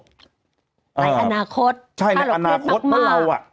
ไปอนาคตถ้าหลอกเล่นมากใช่อนาคตว่าเราอ่ะ